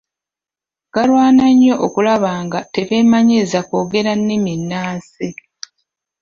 Galwana nnyo okulaba nga tebeemanyiiza kwogera nnimi nnansi.